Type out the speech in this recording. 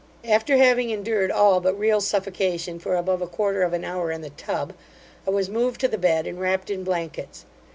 After having endured all but real suffocation for above a quarter of an hour in the tub, I was moved to the bed and wrapped in blankets.